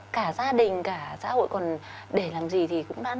cả gia đình cả xã hội còn để làm gì thì cũng đã